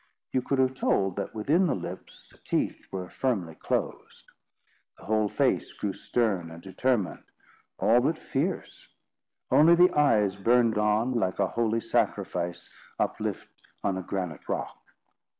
You could have told that, within the lips, the teeth were firmly closed. The whole face grew stern and determined, all but fierce; only the eyes burned on like a holy sacrifice, uplift on a granite rock.